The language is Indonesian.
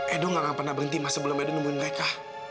edo gak akan pernah berhenti mas sebelum edo nemuin mereka